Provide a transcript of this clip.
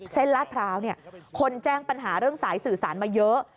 ลาดพร้าวคนแจ้งปัญหาเรื่องสายสื่อสารมาเยอะ